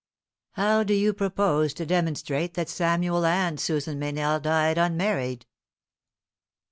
How do you propose to demonstrate that Samuel and Susan Meynell died unmarried?"